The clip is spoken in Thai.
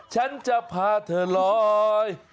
ฉันจะพาเธอลอย